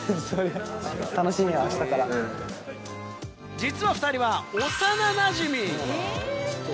実は２人は幼なじみ。